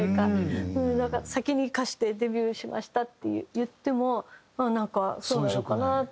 先に歌手でデビューしましたって言ってもああなんかそうなのかなって思うぐらい。